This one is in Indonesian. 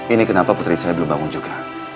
ini kenapa putri saya belum bangun juga